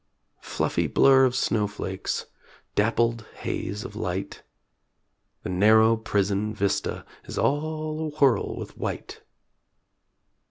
Fluffy blur of snowflakes; Dappled haze of light; The narrow prison vista Is all awhirl with white.